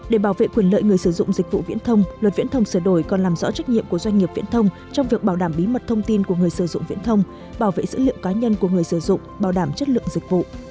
để bảo vệ quyền lợi người sử dụng dịch vụ viễn thông luật viễn thông sửa đổi còn làm rõ trách nhiệm của doanh nghiệp viễn thông trong việc bảo đảm bí mật thông tin của người sử dụng viễn thông bảo vệ dữ liệu cá nhân của người sử dụng bảo đảm chất lượng dịch vụ